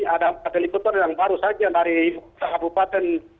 ada empat helikopter yang baru saja dari kabupaten